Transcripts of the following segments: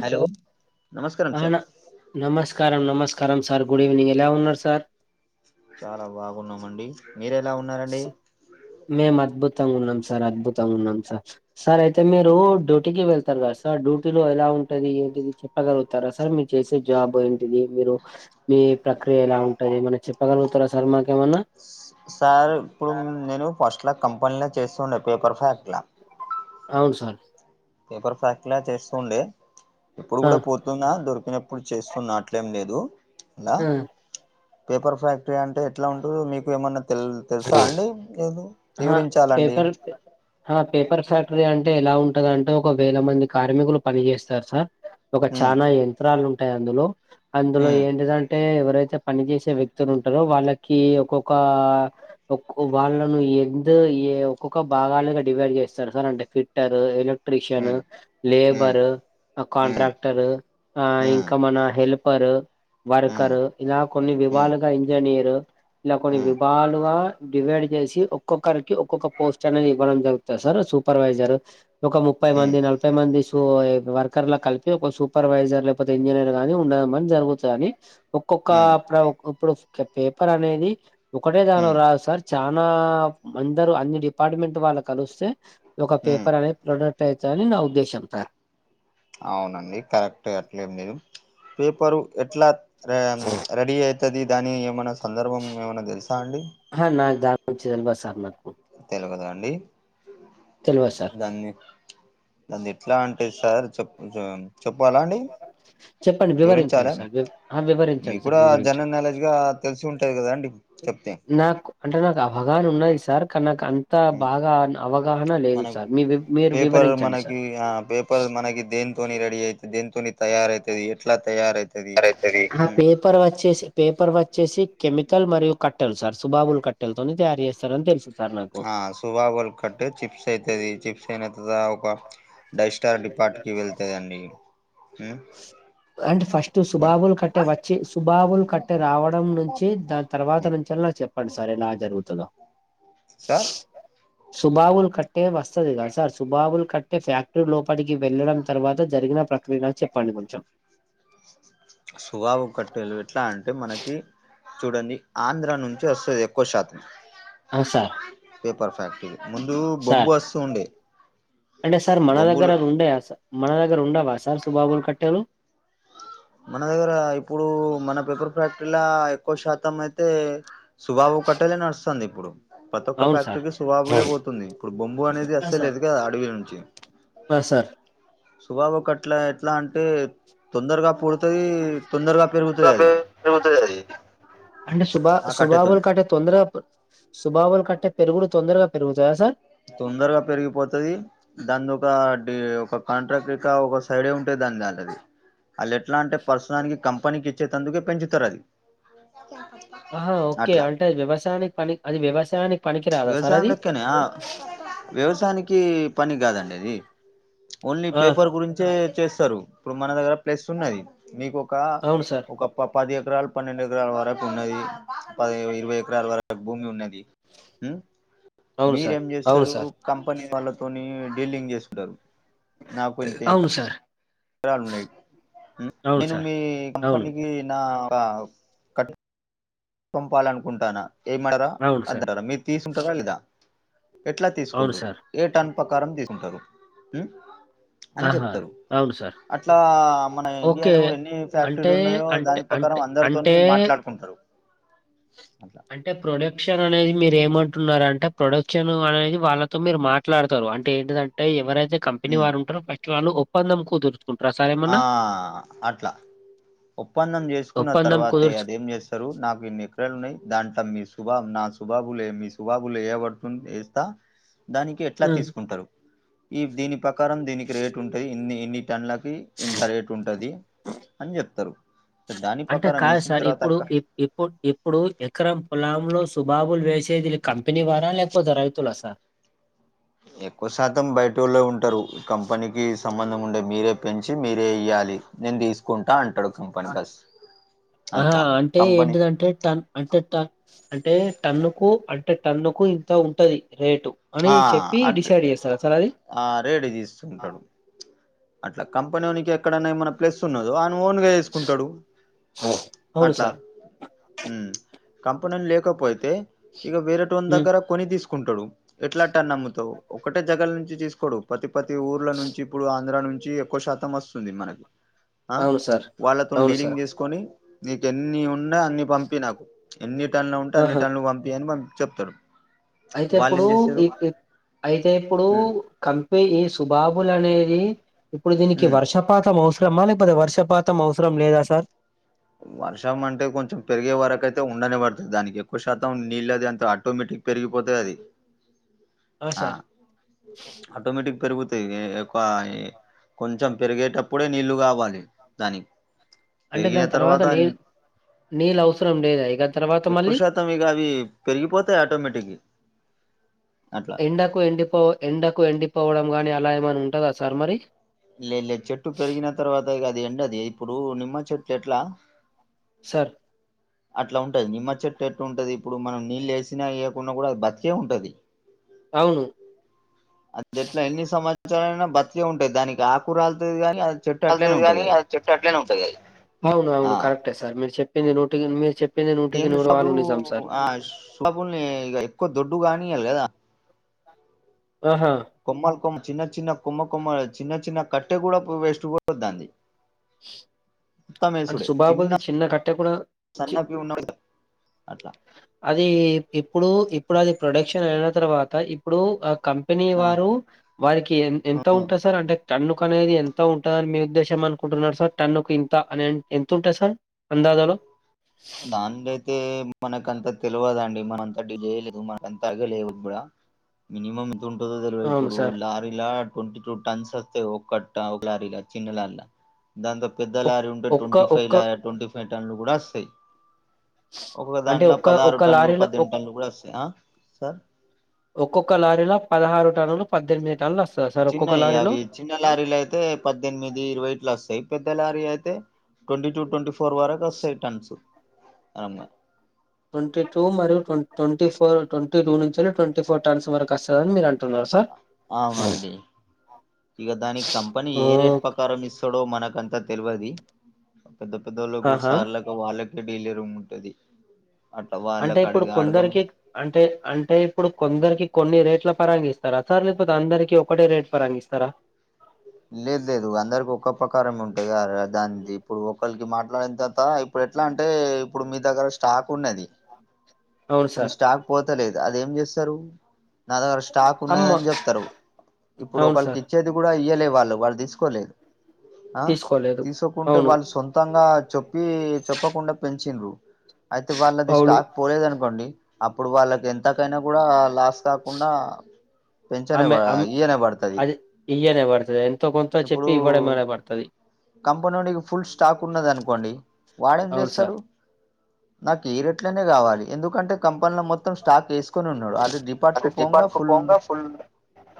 Hello నమస్కారం ఆ sir న నమస్కారం నమస్కారం సార్ గుడ్ ఈవెనింగ్ ఎలా ఉన్నారు సార్ చాలా బాగున్నామండి మీరెలా ఉన్నారండి మేమద్భుతంగా ఉన్నాం సార్ అద్భుతంగా ఉన్నాం సార్ సార్ అయితే మీరు డ్యూటీకి వెళ్తారు కదా సార్ సార్ డ్యూటీలో ఎలా ఉంటది ఏంటిది చెప్పగలుగుతారా సార్ మీరు చేసే జాబ్ ఏంటిది మీరు మీ ప్రక్రియ ఎలా ఉంటది మన చెప్పగలుగుతారా సార్ మాకేమన్నా సార్ ఇప్పుడు నేను ఫస్ట్లా కంపన్ల చేస్తుండే పేపర్ ఫ్యాక్లా అవున్ సార్ పేపర్ ఫ్యాక్ లా చేస్తుండే ఇప్పుడు ఆ గుడా పో ంద దొరికినప్పుడు చేస్తున్న అట్లేం లేదు లా ఆ పేపర్ ఫ్యాక్టరీ అంటే ఎట్లా ఉంటు మీకు ఏమన్నా తెల్ తెలుసా అండి వివరించాలండి అ పేపర్ ఫ్యాక్టరీ అంటే ఎలా ఉంటద అంటే ఒక వేల మంది కార్మికులు పని చేేస్తారు సార్ ఒక హ్మ్ చానా యంత్రాలు ఉంటాయి అందులో అందులో హ్మ్ ఏంటిదంటే ఎవరైతే పని చేేసే వ్యక్తులు ఉంటరో వాళ్ళకి ఒక్కొక్క కొ వాళ్ళను ఎందు ఏ ఒక్కొక్క భాగాలుగా డివైడ్ చేస్తారు సార్ అంటే ఫిట్టర్ ట్రిషను హ్మ్ హ్మ్ లేబరు అ కాంట్రాక్టరు ఆ హ్మ్ ఇంకా మన హెల్పరు హ్మ్ వర్కర్ ఇలా కొన్ని హ్మ్ విభాలుగా ఇంజనీరు ఇలా కొన్ని హ్మ్ విభాల్ డివైడ్ చేసి ఒక్కొక్కరికి ఒక్కొక్క పోస్ట్ అనేది ఇవ్వడం జరుగుతది సార్ సూపర్వైజర్ ఒక ముప్పై హ్మ్ మంది నల ముప్పై మంది సు వర్కర్ల కలిపి ఒక సూపర్వైజర్ లేకపోతే ఇంజనీర్ గాని ఉండడం అని జరుగుతని ఒక్కొక్క హ్మ్ ఇప్పుడు ఇట్ల పేపర్ అనేది అదె దాను హ్మ్ రాద్ సార్ చానా అందరు అన్ని డిపార్ట్మెంట్ వాళ్ళు కలుస్తే ఒక హ్మ్ పేపర్ అనేది ప్రొడక్ట్ అయితదని నా ఉద్దేశ్యం సార్ అవునండి కరెక్ట్ అట్లే మీరు పేపరు ఎట్లా రెయాన్ రెడీ అయితది దాని ఏమైనా సందర్భం ఏమైన్నా తెలుసా అండి హ నాకు జాబ్ వచ్చెది తెల్వదు సార్ నాకు తెలవదా అండి తెలియదు సార్ దాన్ని దానిదీ ఎట్లా అంటే సార్ చెప్పు చెప్పాలా అండి చెప్పండి వివరించాల వివరించండి సార్ మీకు వివరించండి సార్ కూడా వివరించండి జనరల్ నాలెడ్జ్ గా తెలిసి ఉంటాయి కదా అండి చెప్తే నాకు అంటే నాకు అవగాహన ఉన్నాయి సార్ కానీ నాకు అ అంత హ్మ్. బాగా అవగాహన లేదు సార్ మీ మీరు వివరించండి సార్ ఇగ ఆ బె మనకి దేనితోని రెడీ అయితాది దేనితోని తయార అయితాది ఎట్లా తయారు అయితాది తయారైతాది పేపర్ వచ్చేసి పేపర్ వచ్చేసి కెమికల్ మరియు కట్టెలు సార్ సుభాబులు కట్టెలతోని తయారు చేస్తారని తెల్సింది ఆ సుభాబుల కట్టె చిప్స్ అయితది చిప్స్ ఒక డైస్టార్ డిపార్ట్ కి వెళ్తదండి అంటే ఫస్ట్ ఉమ్ సుభాబుల్ కట్ట కట్టే వచ్చి సుభాబుల్ కట్టే రావడం నుంచి దాని తర్వాత నుంచి అన్న చెప్పండి సార్ ఎలా జరుగుతాదో సార్ సుభాబులు కట్టే వస్తాది కదా సార్ సుభాబుల్ కట్టే ఫ్యాక్టర లోపలికి వెళ్ళడం తరువాత జరిగిన ప్రక్రియలు చెప్పండి కొంచెం సుభాబువు కట్టెలు ఎట్లా అంటే మనకి చూడండి ఆంధ్ర నుంచి వస్తాది ఎక్కువ శాతం అవ్ సార్ పేపర్ ఫ్యాక్టరీ ముందు సార్ బొంగు వస్తు ఉండే అంటే సార్ మన దగ్గర బొంబులు అవి ఉండేవా సార్ మన దగ్గర ఉండవా సార్ సుభావుల కట్టెలు మన దగ్గర ఇప్పుడు మన పెపర్ ఫ్యాక్టరీలా ఎక్కువ శాతం అయితే సుభాబు కట్టేలే నడుస్తుంది ఇప్పుడు ప్రతి ఒక్క అవును సార్ ఫ్యాక్టరీకి సుభాబులే పోతుంది ఇప్పుడు బొంగు అనేది అసలు లేదు కదా అడవి నుంచి ఇంగా సార్ సుభాబు కట్లా ఎట్లా అంటే తొందరగా పుడతాయి తొందరగా పెరుగుతాయి అంటే సుభా ఆ సుభాబుల కట్టెతోని కట్టె తొందరగా సుభాబులు కట్టే పెరుగుడు తొందరగా పెరుగుతాయా సార్ తొందరగా పెరిగిపోతాయి దాని ఒక ఒక కాంట్రాక్ట్ [unintelligible] కా ఒక సైడే ఉంటే దాని దాన్లాది అది ఎట్లా అంటే ప్రస్తుతానికి కంపెనీకి ఇచ్చేటందుకే పెంచుతారు అది ఆహో ఓకే అట్లా అంటే వ్యవసాయానికి పనికి అది వ్యవసాయానికి పనికి రాదా సార్ వ్యవసాయం అది లెక్కనే ఆ వ్యవసాయానికి పనికిరాదండి అది ఓన్లీ ఆ పేపర్ గురించే చేస్తారు ఇప్పుడు మన దగ్గర ప్లస్ ఉన్నది మీకు ఒక అవును సార్ ఒక ఓ పది ఎకరాలు పన్నెండు ఎకరాల వరకు ఉన్నది పది ఇరవై ఎకరాల వరకు భూమి ఉన్నది మ్మ్ అవును సార్ మీరేం అవును చేస్తారు సార్ కంపెనీ వాళ్ళతోని డీలింగ్ చేసుకుంటారు నాకు ఇంత అవును సార్ ఎకరాలు ఉన్నాయి అవును నేను సార్ మీ అవును కంపెనీకి నా ఒక పంపాలనుకుంటున్నా వేయమంటారా అవును సార్ వద్దంటారా మీరు తీసుకుంటారా లేదా ఎట్లా అవును తీసుకుంటారు సార్ ఏ టన్ ప్రకారం తీసుకుంటారు అని ఆహా చెప్తారు అవును సార్ అట్లా మన ఓకే ఇండియాలో ఎన్ని అంటే ఫ్యాక్టరీలు ఉన్నాయో అంటే దాని ప్రకారం అంటే అందరితోని అంటే మాట్లాడుకుంటారు అట్లా. అంటే ప్రొడక్షన్ అనేది మీరు ఏమంటున్నారుంటే ప్రొడక్షన్ అనేది వాళ్ళతో మీరు మాట్లాడతారు అంటే ఏంటిదంటే. అంట ఎవరైతే కంపెనీ ఉమ్ వారు ఉంటారో ఫస్ట్ వాళ్ళు ఒప్పందం కుదురు. ప్రసాయమ్. ఆ అట్లా ఒప్పందం చేసుకున్న ఒప్పందం తర్వాతే కుదుర్చు అదేం చేస్తు. నాకు ఇన్ని ఎకరాలు ఉన్నాయి దాంట్లో మీ సుభా నా సుబాబులు మీ సుభాబులు ఏ పడుతుంది వేస్తా. దానికి ఎట్లా హ్మ్. తీసుకుంటారు ఈ దీని ప్రకారం దీనికి రేటు ఉంటుంది ఇన్ని ఎన్ని టన్లకి. ఇంత రేటు ఉంటుంది అని చెప్తారు దాని ప్రకారం వేసిన తర్వాతక్క. ఇప్పుడ్ ఇప్పుడు ఎకరం పొలాంలో సుబాబులు వేసేది కంపెనీ వారా లేకపోతే రైతులసార్. ఎక్కువ శాతం బయటోల్లే ఉంటారు కంపెనీకి సంబంధం ఉండే మీరే పెంచి మీరే ఇయాలి. నేను తీసుకుంటా అంటడు. ఆ ఆహా అంటే కంపెనీ ఏంటిదంటే టన్. అంటే ట అంటే టన్ను కు అంటే టన్ను కు ఇంత ఉంటది రేటు. అని ఆ చెప్పి అట్ డిసైడ్ చేస్తారా సార్ అది. ఆ రేడ్ తీస్తుంటాడు. అట్లా కంపనోనికే. ఎక్కడన్నా ఏమన్నా ప్లెస్ ఉన్నదో అను ఓన్గా ఏసుకుంటాడు అవును అట్లా. సార్. హు కంపెనీల్ లేకపోయితే ఇక వేరే టోన్ హ్మ్. దగ్గర. కొని తీసుకుంటాడు ఎట్లా అట్ల నమ్ముతావ్ ఒకటే జగల నుంచి తీసుకోడు. పతిపతి ఊర్ల నుంచి ఇప్పుడు ఆంధ్ర నుంచి ఎక్కువ శాతం వస్తుంది మనక్. ఆ అవును సార్. వాళ్ళతోన్ అవును సార్. డీలింగ్ చేసుకొని. నీకి ఎన్ని ఉన్నా అన్ని పంపి నాకు ఎన్ని టన్ను ఉంటే అన్ని ఆహా! టన్ను పంపి అని పం చెప్తాడు. అయితే వాళ్ళు ఇప్పుడు ఏం చేస్తారు ఈకే అయితే ఇప్పుడు. ఉమ్ కంపే ఈ సుబాబులు అనేది ఇప్పుడు దీనికి ఉమ్ వర్షం. పాతం అవసరం లేకపోతే వర్షపాతం అవసరం లేదా సార్. వర్షం అంటే కొంచెం పెరిగే వరకైతే ఉండనే పడతది దానికి ఎక్కువ శాతం నీళ్ళదే అంత ఆటోమేటిక్. పెరిగిపోతది అది ఆ. ఆటోమేటిక్ పెరుగుతాయి ఎ ఎక్కువ ఎ. కొంచెం పెరిగేటప్పుడే నీళ్లు కావాలి దాని. అంటే దాని తర్వాత నీళ్ నీళ్ళు అవసరం లేదా ఇక. తర్వాత ఎక్కువ మళ్ళీ శాతం ఇక అవి పెరిగిపోతాయి ఆటోమేటిక్ అట్. ఎండకు ఎండిపో ఎండకు ఎండిపోవడం గాని అలా ఏమనా ఉంటదా సార్ మరి. లేదు లేదు చెట్టు పెరిగిన తర్వాత ఇగ అది ఎండదు ఇప్పుడు నిమ్మ చెట్లు ఎట్లా. సర్. అట్లా ఉంటది నిమ్మ చెట్టు ఎట్టు ఉంటది ఇప్పుడు మనం నీళ్లు వేసిన ఏయ్యకున్నా కూడా అది బతికే ఉంటది. అవును. ఆ చెట్లు ఎన్ని సంవత్సరాల అయినా బతికే ఉంటాయి దానికి ఆకురాలతది గానీ అద్. అల్ కాని అ చెట్టు అట్లనే ఉంటాయి అయి అవును ఆ అవును కరెక్టే సార్ మీరు చెప్పింది నూటికి మీ చెప్. ఏంది షాపులు ఆ షాపుల్ని ఎక్కువ దొడ్డు కానియ్వాలి కదా. ఆహా. కొమ్మల్ కొమ్ చిన్న చిన్న కొమ్మ కొమ్మల్ చిన్న చిన్న కట్టె కూడా వేస్ట్ పోదు దాంది. అండ్ సుభాబులది చిన్న కట్టె కూడా. చి సన్న వి ఉన్నప్పుడే కదా అట్లా. అది ఇప్పుడు ఇప్పుడు అది ప్రొడక్షన్ అయినా తర్వాత ఇప్పుడు ఆ కం. పినివారు. ఆ వారికి ఎన్ ఎంత ఉంటది సార్ అంటే టన్నుకు అనేది ఎంత ఉంటందని మీ ఉద్దేశం అనుకుంటున్నారు సార్ టన్నుకు ఇంత అని ఎన్ ఎంతుంటాది సార్ అందాదాలో బ అండుతే మనకు అంత తెల్వదండి మన అంత డీల్ చెయ్యలేదు మనకు అంత ఐగాలేవు బ్బుడా మినిమమ్ ఎంత ఉంటదో తెలవదు అవును ఇప్పుడు సార్ లా రీలా ట్వంటీ టూ టాన్స్ వత్తే ఒక కట్ట ఒక లారీల చిన్న లారీల దాంతో పెద్ద ఒక్- లారీ ఉంటే ఒక్క ట్వంటీ ఫైవ్ ఒక్క ల్యా ట్వంటీ ఫైవ్ టన్నులు కూడా వసాయి ఒక్కొక్క అంటే దాంట్లో ఒక్క పదహారు ఒక్క టన్లు లారీలో పద్దెనిమిది ఒక్- టన్లు కూడా వసాయి ఆ సార్ ఒక్కొక్క లారీల పదహారు టన్నులు పద్దెనిమిది టన్నుల వస్ చిన్నయి అవి చిన్న లారీలు అయితే పద్దెనిమిది ఇరవై ఇట్ల వస్తాయి పెద్ద లారీ అయితే twenty two twenty five four వరకు వస్సాయి టన్సు ఆం అ ట్వంటీ టూ మరియు ట్వం ట్వంటీ ఫోర్ ట్వంటీ టూ నుంచెల్లి ట్వంటీ ఫోర్ టన్స్ వరకు అస్తాయని మీరు అన్ అవునండి ఇగ దాని కంపెనీ ఓ ఏ రేట్ పకారం ఇస్ తుడో మనకంత తెల్వది పెద్ద పెద్దోళ్లకు ఆహా సార్ల లో వాళ్ళకే డీలరూమ్ ఉంటది అట్ట అంటే వాళ్ళకి ఇప్పుడు అడగా అడగం కొందరికి అంటే అంటే ఇప్పుడు కొందరికి కొన్ని రేట్ల పరంగిస్తారా సార్ లేకపోతే అందరికీ ఒకటే రేట్ పరంగిస్తారా లేదు లేదు అందరికీ ఒక్క ప్రకారమే ఉంటదా [unintelligible] దానికి ఇప్పుడు ఒకలికి మాట్లాడిన తర్త ఇ ప్పుడు ఎట్లా అంటే ఇప్పుడు మీ దగ్గర స్టాక్ ఉన్నది అవును మీ సార్ స్టాక్ పోతాలేదు అదేం చేస్తరు నా దగ్గర స్టాక్ అమ్మ ఉన్నదని చెప్తరు ఇప్పుడు అవును ఒకలికి సార్ ఇచ్చేది కూడా ఇయ్వలే వాళ్ళు వాళ్ళు తీసుకోలే ఆ తీసుకోలేదు తీసోకుంటే అవును వాళ్ళు సొంతంగా చొ ప్పి చెప్పకుండా పెంచిన్రు అయితే వాళ్ళది అవును స్టాక్ పోలేదని పండి అప్పుడు వాళ్ళకి ఎంతకైనా కూడా లాస్ కాకుండా పెంచనే బ ఆమె అమ్ ఈయనే పడుతుది అది ఇయ్యనే పడుతది ఎంతో కొంత ఇప్పుడు చెప్పి ఇవ్వడమనే పడుతది కంపెనోడికి ఫుల్ స్టాక్ ఉన్నది అనుకోండి వాడేం అవును సార్ చేస్తడు నాకు ఈ రెట్లనే కావాలి ఎందుకంటే కంపెనీలో మొత్తం స్టాక్ ఏసుకొని ఉన్నాడు ఆల్రెడీ అది డిపార్ట్కు పోంగా ఫుల్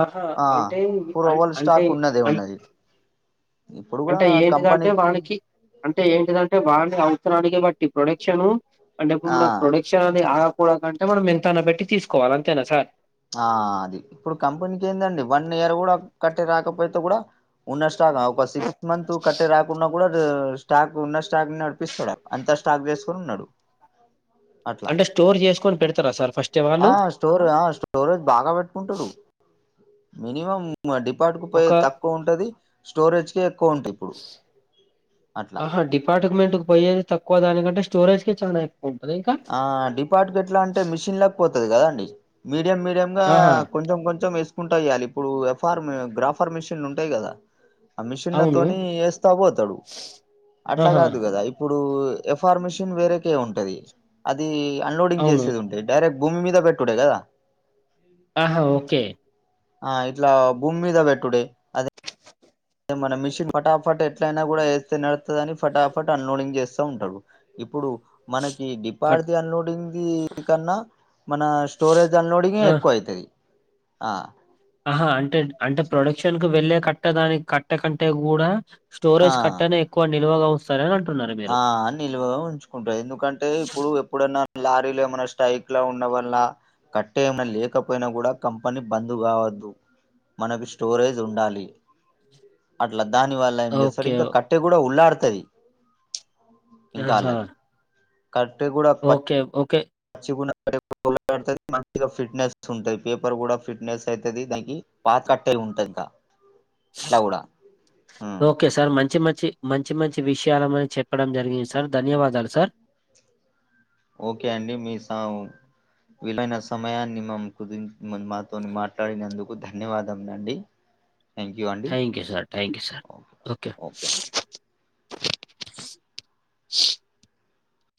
ఆహా ఆ అంటే ఫోర్ అన్ ఓవర్ అంటే స్టాక్ ఉన్నదే అన్ ఉన్నది ఇప్పుడు కూడా అంటే ఏంటిదంటే కంపెనీకి వానికి అంటే ఏంటిదంటే వాళ్ళ అవసరానికి బట్టి ప్రొడక్షను అంటే ఇప్పుడు ఆ మనకి ప్రొడె క్షన్ అది ఆగకూడదు అంటే మనం ఎంతైనా పెట్టి తీసుకోవాలి అంతేనా సార్ ఆ అది ఇప్పుడు కంపెనీకి ఏందండి వన్ ఇయర్ కూడా కట్టే రాకపోతే కూడా ఉన్న స్టాక్ ఆ ఒక సిక్స్ మంత్ కట్టే రాకున్నా కూడా స్టాక్ ఉన్న స్టాక్ ని నడిపిస్తాడా అంత స్టాక్ వేసుకొని ఉన్నాడు అట్లా అంటే స్టోర్ చేసుకోని పెడతారా సార్ ఫిస్ట్టే వాళ్ళు స్టార్ ఆ స్టోరేజ్ బాగా పెట్టుకుంటారు మినిమమ్ డిపార్ట్కు ఒక పొయ్యేది తక్కువ ఉంటది స్టోరేజ్కే ఎక్కువ ఉంటాయి ఇప్పుడు అట్లా పార్టుకుమెంటుకు పొయ్యేది తక్కువ దానింటే స్టోరేజ్ కే చానా ఎక్కువ ఉంటదా ఇంకా ఆ డిపార్టికెట్లా అంటే మెషిన్లకి పోతది కదండి మీడియం మీడియం గా ఆహా కొంచెం కొంచెం ఇస్ కుంటాయాలి ఇప్పుడు ఎఫ్ ఆర్మ్ గ్రాఫర్ మిషన్లు ఉంటాయి కదా ఆ అవును మిషన్లతోని ఎస్తా బోతాడు ఆట్లా ఆహా కాదు కదా ఇప్పుడు ఎఫార్మేషన్ వేరేకే ఉంటది అది అన్లోడింగ్ అవును చేసేది ఉంటయి డైరక్ భూమి మీద పెట్టుడే గదా ఆహా ఓకే ఆ ఇట్లా భూమి మీద పెట్టుడే అదే మన మిషిన్ ఫటాఫట్ ఎట్లయినా కూడా వేస్తే నడుతదిని ఫటాఫట్ అన్లోడింగ్ చేస్తా ఉంటడు ఇప్పుడు మనకి ఫట్ డిపార్ది అన్లోడింగ్ది కన్నా మన స్టోరేజ్ అన్లోడింగే ఆ ఎక్కువ అయితది ఆ ఆహా అంటే అంటే ప్రొడక్షన్కు వెళ్ళే కట్ట దానికి కట్టే కంటే కూడా ఆ స్టోరేజ్ కట్టనే ఎక్కువ నిల్వగా ఉంచుతారు అని అంటున్నారు మీరు ఆ నిలువ ఉంచుకుంటారు ఎందుకంటే ఇప్పుడు ఏప్ ఎప్పుడన్నా అట్లా లారీలు ఏమైన్నా స్టైక్ లో ఉండ వల్ల కట్టేఎమ లేకపోయినా కూడా కంపెనీ బంద్ కావద్దు మనకి స్టోరేజ్ ఉండాలి అట్లా దానివల్ న్యాయం చేస్తాడు ఓకే ఇంకా కట్టె కూడా ఉల్లాడుతది [unintelligible] కట్టే కూడా ప ఓకే ఓకే మచ్చ [inaudible] ఇగా ఫిట్నెస్ ఉంటాయి పేపర్ కూడా ఫిట్నెస్ అయితది దినికి పాత కట్టేయి ఉంటాయి ఇంకా అట్లా కూడా ఉమ్ ఓకే సార్ మంచి మంచి మంచి మంచి విషయాల మని చెప్పడం జరిగింది సార్ ధన్యవాదాలు సార్ ఓకే అండి మీ సావ్ విలువైన సమయాన్ని మ కు మాతో మాట్లాడినందుకు ధన్యవాదం అండి థ్యాంక్ యూ అండి thank you sir thank you sir okay okay